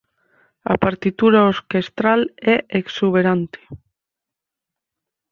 A partitura orquestral é exuberante.